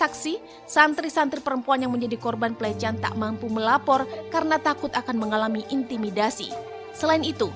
kalau saya ini adalah wanita yang selama ini dia cari